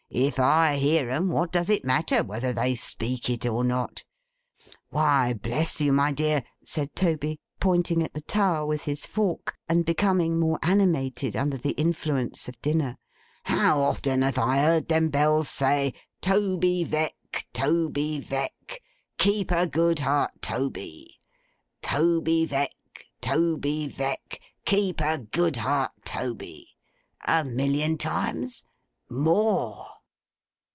If I hear 'em, what does it matter whether they speak it or not? Why bless you, my dear,' said Toby, pointing at the tower with his fork, and becoming more animated under the influence of dinner, 'how often have I heard them bells say, "Toby Veck, Toby Veck, keep a good heart, Toby! Toby Veck, Toby Veck, keep a good heart, Toby!" A million times? More!